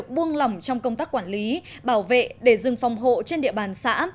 cung cấp nguồn lòng trong công tác quản lý bảo vệ để rừng phòng hộ trên địa bàn xã